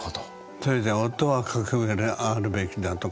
それで夫はかくあるべきだとか。